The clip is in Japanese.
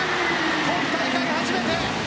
今大会、初めて。